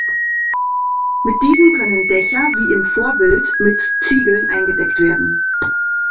Mit diesen können Dächer wie im Vorbild mit Ziegeln eingedeckt werden.